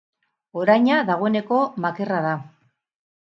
Oraina, dagoeneko, makerra da.